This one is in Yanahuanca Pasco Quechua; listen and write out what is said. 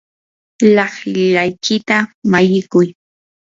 laqlaykita mallikuy.